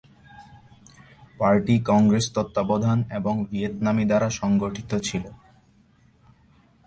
Party congress তত্ত্বাবধান এবং ভিয়েতনামী দ্বারা সংগঠিত ছিল।